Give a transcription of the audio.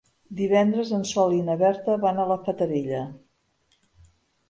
Divendres en Sol i na Berta van a la Fatarella.